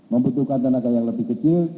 membutuhkan tenaga yang lebih kecil